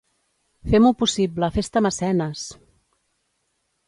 Fem-ho possible, fes-te mecenes!